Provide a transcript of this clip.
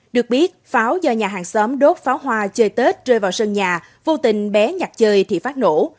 được biết pháo do nhà hàng xóm đốt pháo hoa chơi tết rơi vào sân nhà vô tình bé nhặt chơi thì phát nổ